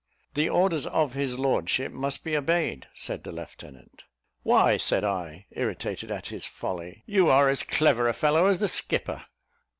"The orders of his lordship must be obeyed," said the lieutenant. "Why," said I, irritated at his folly, "you are as clever a fellow as the skipper."